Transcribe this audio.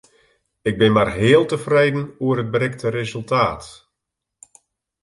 Ik bin mar heal tefreden oer it berikte resultaat.